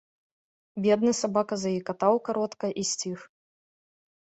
Бедны сабака заекатаў каротка і сціх.